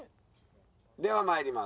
では参ります。